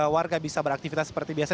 warga bisa beraktivitas seperti biasa